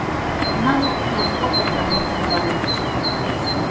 Нават неахвота пра гэта гаварыць.